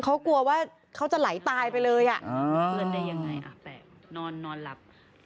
เขากลัวว่าเขาจะไหลตายไปเลยอ่ะเงินได้ยังไงอ่ะแปลกนอนหลับ